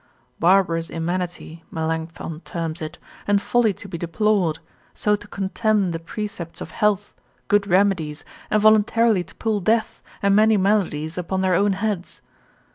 Barbarous immanity (Melancthon terms it) and folly to be deplored, so to contemn the precepts of health, good remedies, and voluntarily to pull death, and many maladies upon their own heads.